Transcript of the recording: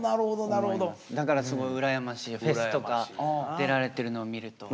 だからすごい羨ましいフェスとか出られてるのを見ると。